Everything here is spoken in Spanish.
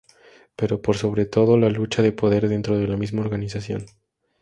Pero por sobre todo, la lucha de poder dentro de la misma organización.